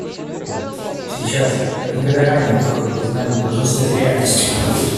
Сейчас, как никогда ранее, такое признание должно стать реальностью.